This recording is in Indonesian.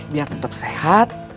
biar tetap sehat